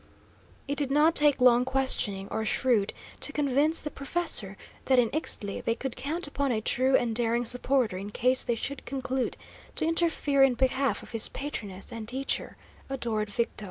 It did not take long questioning, or shrewd, to convince the professor that in Ixtli they could count upon a true and daring supporter in case they should conclude to interfere in behalf of his patroness and teacher, adored Victo.